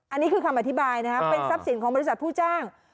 อันนี้คือคำอธิบายนะครับเป็นทรัพย์สินของบริษัทผู้จ้าง